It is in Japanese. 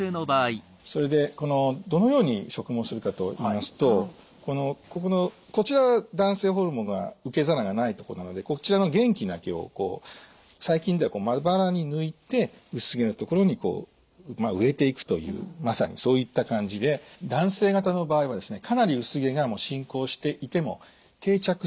それでどのように植毛するかといいますとここのこちら男性ホルモンが受け皿がないとこなのでこちらの元気な毛を最近ではまばらに抜いて薄毛の所に植えていくというまさにそういった感じで男性型の場合はですね